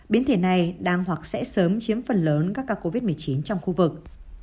biến thể này đang hoặc sẽ sớm chiếm phần lớn các ca covid một mươi chín trong khu vực